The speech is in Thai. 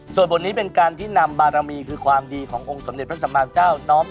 ส่วนบทนี้เป็นการที่นำบารมีคือความดีขององค์สมเด็จพระสัมมาเจ้าน้อม